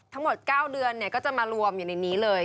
ทั้งหมด๙เดือนก็จะมารวมอยู่ในนี้เลย